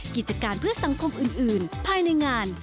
กิจการเพื่อสังคมอื่นภายในงาน